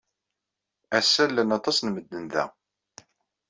Ass-a, llan aṭas n medden da.